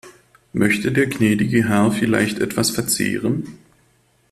Möchte der gnädige Herr vielleicht etwas verzehren?